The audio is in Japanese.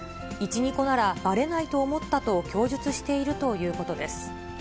１、２個ならばれないと思ったと、供述しているということです。